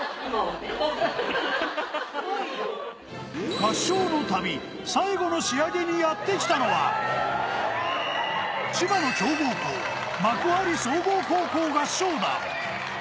合唱の旅、最後の仕上げにやってきたのは、千葉の強豪校・幕張総合高校合唱団。